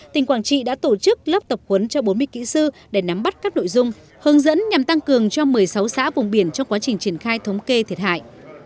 tỉnh quảng trị đã tổ chức lớp tập huấn cho bốn mươi kỹ sư để nắm bắt các nội dung hướng dẫn nhằm tăng cường cho một mươi sáu xã vùng biển trong quá trình triển khai thống kê thiệt hại